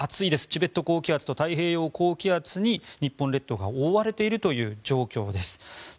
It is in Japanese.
チベット高気圧と太平洋高気圧に日本列島が覆われているという状況です。